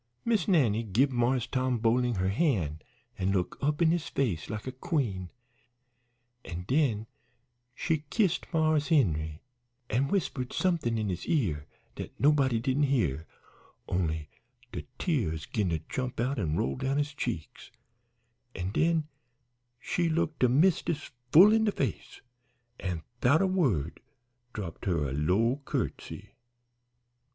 "Miss Nannie gib Marse Tom Boling her han' an' look up in his face like a queen, an' den she kissed Marse Henry, an' whispered somethin' in his ear dat nobody didn't hear, only de tears gin to jump out an' roll down his cheeks, an' den she looked de mist'ess full in de face, an' 'thout a word dropped her a low curtsey.